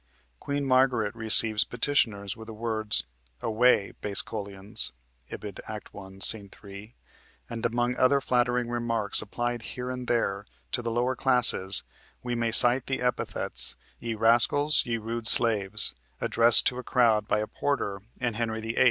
Queen Margaret receives petitioners with the words "Away, base cullions" (Ib., Act 1, Sc. 3), and among other flattering remarks applied here and there to the lower classes we may cite the epithets "ye rascals, ye rude slaves," addressed to a crowd by a porter in Henry VIII.